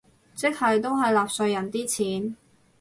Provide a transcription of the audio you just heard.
即係都係納稅人啲錢